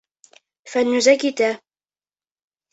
Фәнүзә китә.